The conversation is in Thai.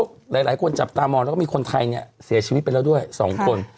หลายคนจับตามองแล้วก็มีคนไทยเนี่ยเสียชีวิตไปแล้วด้วย๒คน